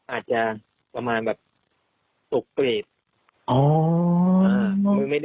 อาจจะประมาณแบบตกกรีบ